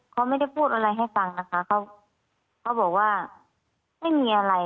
เขาไม่ได้พูดอะไรให้ฟังนะคะเขาเขาบอกว่าไม่มีอะไร